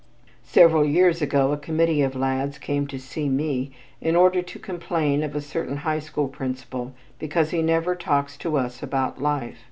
Several years ago a committee of lads came to see me in order to complain of a certain high school principal because "He never talks to us about life."